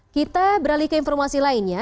kita beralih ke informasi lainnya